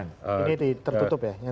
ini tertutup ya